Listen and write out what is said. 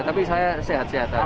tapi saya sehat sehat aja